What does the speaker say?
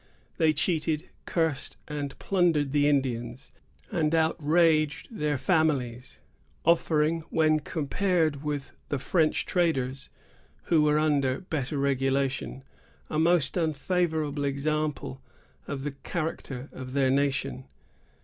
They cheated, cursed, and plundered the Indians, and outraged their families; offering, when compared with the French traders, who were under better regulation, a most unfavorable example of the character of their nation.